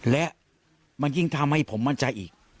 และมันยิ่งทำให้ผมมั่นใจอีก